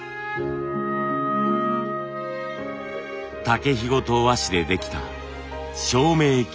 竹ひごと和紙でできた照明器具。